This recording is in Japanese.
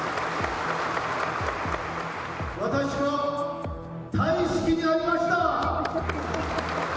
私は大好きになりました。